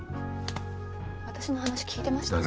私の話聞いてました？